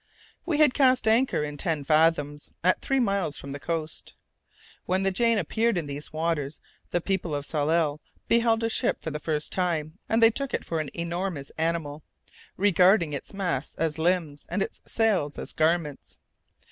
We had cast anchor in ten fathoms, at three miles from the coast. When the Jane appeared in these waters, the people of Tsalal beheld a ship for the first time, and they took it for an enormous animal, regarding its masts as limbs, and its sails as garments.